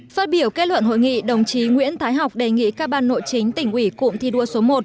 phát biểu kết luận hội nghị đồng chí nguyễn thái học đề nghị các ban nội chính tỉnh ủy cụm thi đua số một